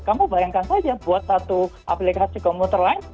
kamu bayangkan saja buat satu aplikasi computer line